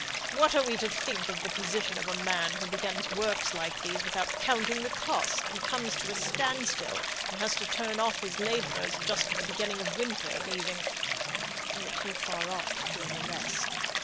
What are we to think of the position of a man who begins works like these without counting the cost, and comes to a stand still, and has to turn off his labourers just at the beginning of winter, leaving " They were too far off to hear the rest.